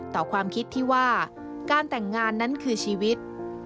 ต่อความคิดที่ว่าการแต่งงานนั้นคือชีวิต